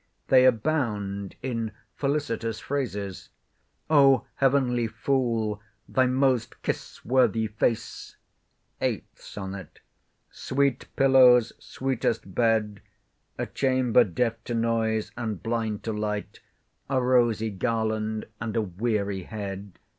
They abound in felicitous phrases— O heav'nly Fool, thy most kiss worthy face— 8th Sonnet. —Sweet pillows, sweetest bed; A chamber deaf to noise, and blind to light; A rosy garland, and a weary head.